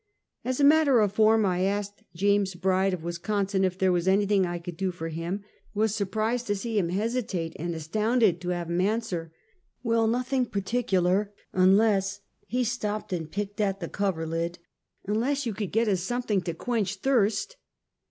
As a matter of form, I asked James Bride, of Wis consin, if there was anything I could do for him, was surprised to see him hesitate, and astounded to have him answer: " Well, nothing particular, unless —" lie stopped and picked at the coverlid —" unless you could get us something to quench thirst."